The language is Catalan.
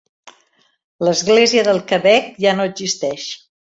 L'església del Quebec ja no existeix.